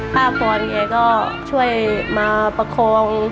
พ่อพ่อเงียก็ช่วยมาประคง